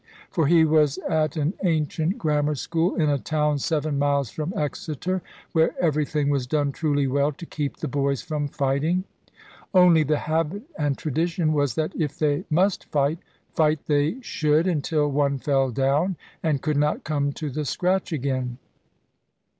For he was at an ancient grammar school in a town seven miles from Exeter, where everything was done truly well to keep the boys from fighting. Only the habit and tradition was that if they must fight, fight they should until one fell down, and could not come to the scratch again.